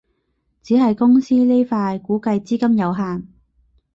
只係公司呢塊估計資金有限